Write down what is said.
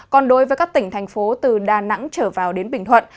còn đối với các tỉnh thành phố từ đà nẵng trở vào đến bình thuận